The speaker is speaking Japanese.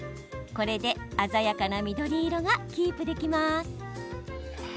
これで鮮やかな緑色がキープできます。